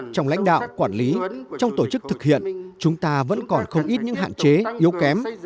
trong lãnh đạo quản lý trong tổ chức thực hiện chúng ta vẫn còn không ít những hạn chế yếu kém